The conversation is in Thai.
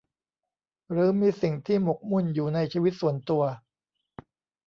หรือมีสิ่งที่หมกมุ่นอยู่ในชีวิตส่วนตัว